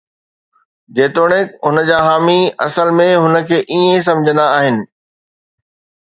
جيتوڻيڪ هن جا حامي اصل ۾ هن کي ائين سمجهندا آهن.